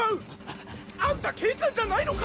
「あんた警官じゃないのか！？」